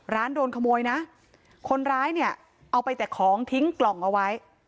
โดนขโมยนะคนร้ายเนี่ยเอาไปแต่ของทิ้งกล่องเอาไว้